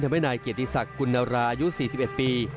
ทำให้นายเกียรติศักดิ์กุลนาลาอายุ๔๑ปี